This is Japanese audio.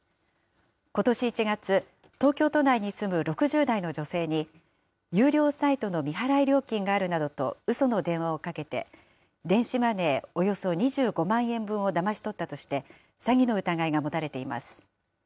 ことし１月、東京都内に住む６０代の女性に、有料サイトの未払い料金があるなどとうその電話をかけて、電子マネーおよそ２５万円分をだまし取ったとして、詐欺の疑いが持たれています。